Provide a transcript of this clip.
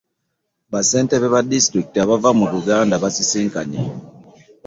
Ba Ssentebe ba zi disitulikiti abava mu Buganda baasisinkanye.